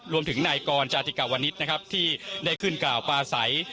รวมถึงนายกรจาติกาวนิษฐ์นะครับที่ได้ขึ้นกล่าวปลาใส